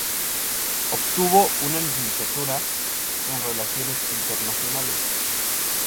Obtuvo una licenciatura en Relaciones Internacionales.